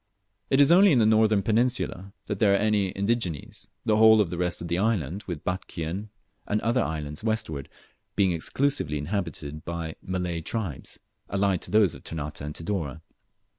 It is only in the northern peninsula that there are any indígenes, the whole of the rest of the island, with Batchian and the other islands westward, being exclusively inhabited by Malay tribes, allied to those of Ternate and Tidore.